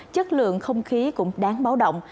chất lượng không khí cũng đáng báo động